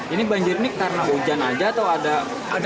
ini banjir ini karena hujan aja atau ada